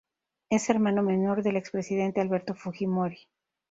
Es hermano menor del expresidente Alberto Fujimori.